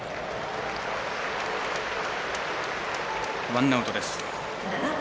ワンアウトです。